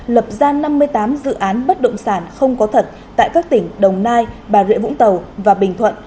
lập ra năm mươi tám dự án bất động sản không có thật tại các tỉnh đồng nai bà rịa vũng tàu và bình thuận